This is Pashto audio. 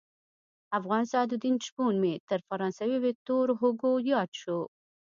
افغان سعدالدین شپون مې تر فرانسوي ویکتور هوګو ياد شو.